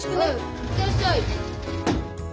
行ってらっしゃい。